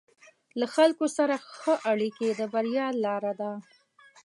له خلکو سره ښه اړیکې د بریا لاره ده.